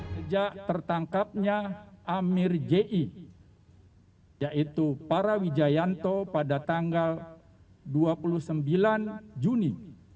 sejak tertangkapnya amir ji yaitu para wijayanto pada tanggal dua puluh sembilan juni dua ribu sembilan belas